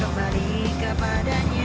kau will kepadanya